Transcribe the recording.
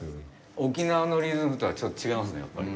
沖縄のリズムとはちょっと違いますね、やっぱり。